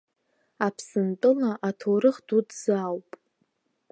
Аԥсынтәыла аҭоурых дуӡӡа ауп.